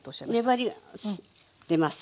粘りが出ます。